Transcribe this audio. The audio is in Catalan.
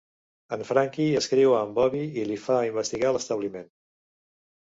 En Frankie escriu a en Bobby i li fa investigar l'establiment.